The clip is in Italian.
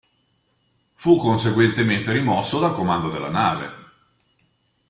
Fu conseguentemente rimosso dal comando della nave.